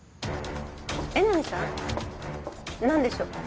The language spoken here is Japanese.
江波さん何でしょう？